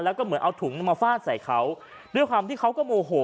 แล้วก็เหมือนเอาถุงมาฟาดใส่เขาด้วยความที่เขาก็โมโห